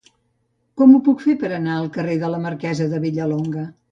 Com ho puc fer per anar al carrer de la Marquesa de Vilallonga?